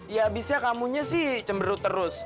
ya abisnya kamu nya sih cemberut terus